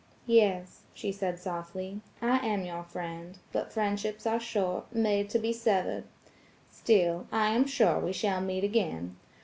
"Yes," she said softly, "I am your friend, but friendships are short–made to be severed. Still, I am sure we shall meet again.